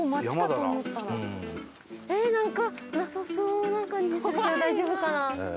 ええーなんかなさそうな感じするけど大丈夫かな？